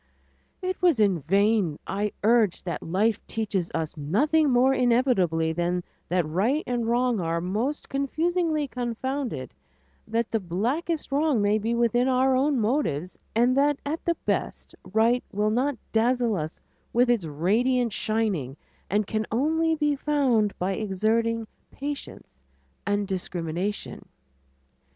It was in vain I urged that life teaches us nothing more inevitably than that right and wrong are most confusingly confounded; that the blackest wrong may be within our own motives, and that at the best, right will not dazzle us by its radiant shining and can only be found by exerting patience and discrimination.